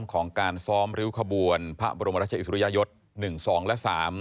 ของการซ้อมริ้วขบวนพระบรมราชอิสริยยศ๑๒และ๓